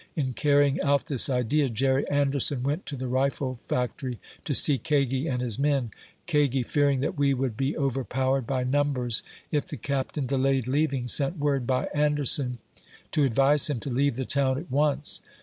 In carrying out this idea, Jerry Anderson went to the rifle factory, to see Kagi and his men. Kagi, fearing that we would be overpowered by numbers if the Captain delayed leaving, sent word by Ander son to advise him to leave the town at once.